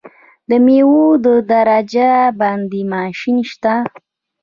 د میوو د درجه بندۍ ماشین شته؟